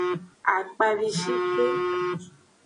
Akpavishike.